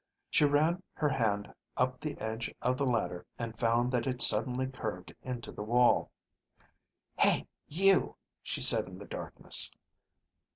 She ran her hand up the edge of the ladder and found that it suddenly curved into the wall. "Hey, you," she said in the darkness.